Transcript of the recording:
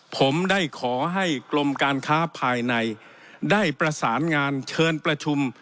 ผมได้ขอให้กรมการค้าภายในได้ประสานงานเชิญประชุม